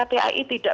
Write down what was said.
ada hal hal baik baik